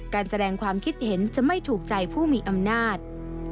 การแสดงความคิดเห็นจะไม่ถูกใจผู้มีอำนาจ